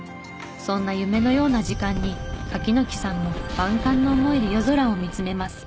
そんな夢のような時間に柿木さんも万感の思いで夜空を見つめます。